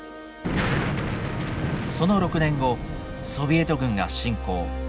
その６年後ソビエト軍が侵攻。